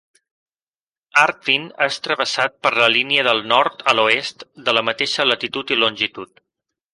Artvin és travessat per la línia del nord a l'oest de la mateixa latitud i longitud.